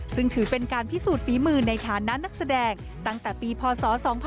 ซึ่งถือเป็นการพิสูจน์ฝีมือในฐานะนักแสดงตั้งแต่ปีพศ๒๕๖๒